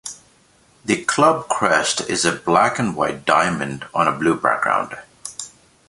The club crest is a black and white diamond on a blue background.